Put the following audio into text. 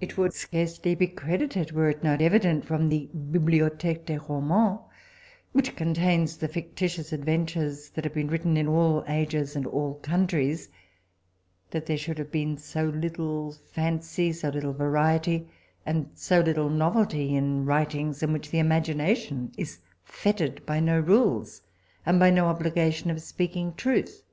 It would scarcely be credited, were it not evident from the Bibliotheque des Romans, which contains the fictitious adventures that have been written in all ages and all countries, that there should have been so little fancy, so little variety, and so little novelty, in writings in which the imagination is fettered by no rules, and by no obligation of speaking truth.